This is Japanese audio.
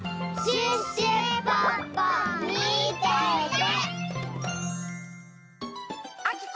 シュッシュポッポみてて！